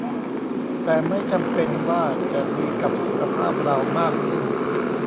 แต่ไม่จำเป็นว่าจะดีกับสุขภาพเรามากขึ้น